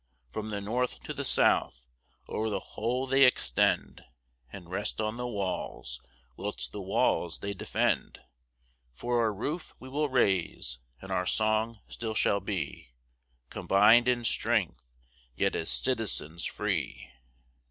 From the north to the south, o'er the whole they extend, And rest on the walls, whilst the walls they defend: For our roof we will raise, and our song still shall be Combined in strength, yet as citizens free.